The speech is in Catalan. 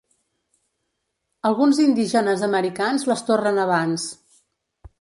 Alguns indígenes americans les torren abans.